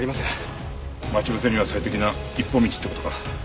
待ち伏せには最適な一本道って事か。